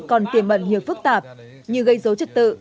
còn tiềm mẩn hiệu phức tạp như gây dấu trật tự